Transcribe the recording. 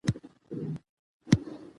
ماشومان د لوبو له لارې د ژوند اصول زده کوي.